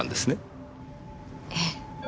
ええ。